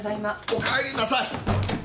おかえりなさい。